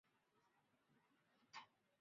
全区间均位于中部山岳国立公园内。